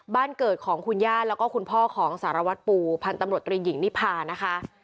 บ้านเกิดของคุณย่าแล้วก็คุณพ่อของสารวัตรปูพันธุ์ตำรวจตรีหญิงนิพานะคะ